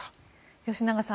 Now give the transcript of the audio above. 吉永さん